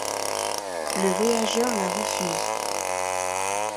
Le voyageur la refuse.